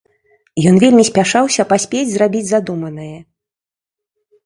Ён вельмі спяшаўся паспець зрабіць задуманае.